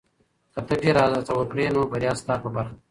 که ته ډېره هڅه وکړې، نو بریا ستا په برخه ده.